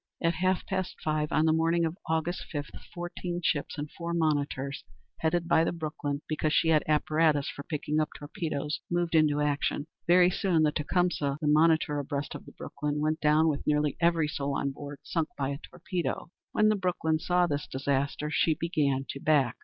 At half past five on the morning of Aug. 5, fourteen ships and four monitors, headed by the Brooklyn, because she had apparatus for picking up torpedoes, moved into action. Very soon the Tecumseh, the monitor abreast of the Brooklyn, went down with nearly every soul on board, sunk by a torpedo. When the Brooklyn saw this disaster, she began to back.